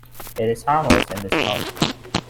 It is harmless in this mode.